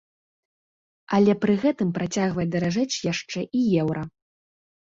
Але пры гэтым працягвае даражэць яшчэ і еўра!